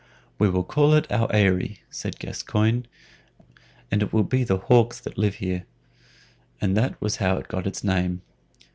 "We will call it our Eyry," said Gascoyne "and we will be the hawks that live here." And that was how it got its name.